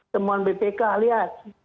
temuan bpk lihat